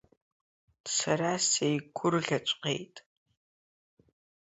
Сара сеигәырӷьаҵәҟьеит!